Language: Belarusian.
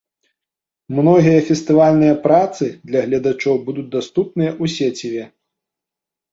Многія фестывальныя працы для гледачоў будуць даступныя ў сеціве.